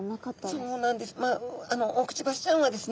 そうなんです。